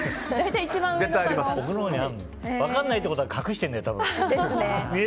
分からないってことは隠してるんだよ。